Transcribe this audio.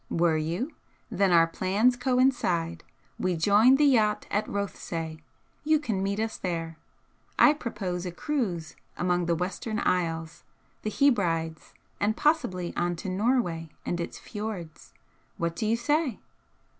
"Were you? Then our plans coincide. We join the yacht at Rothesay you can meet us there. I propose a cruise among the Western isles the Hebrides and possibly on to Norway and its fjords. What do you say?"